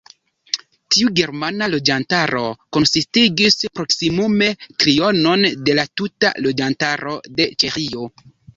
Tiu germana loĝantaro konsistigis proksimume trionon de la tuta loĝantaro de Ĉeĥio.